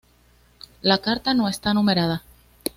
La carta no está numerada.